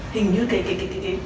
hình như cái